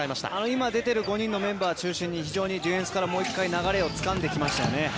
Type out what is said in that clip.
今、出ている５人のメンバーを中心に非常にディフェンスからもう１回流れをつかんできましたよね。